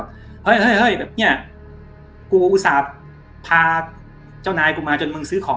กูอาจจะทากลาดมาจนให้ปุ่มหัวหน้าอายุก่อน